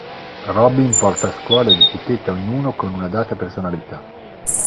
Robin porta a scuola ed etichetta ognuno con una data personalità.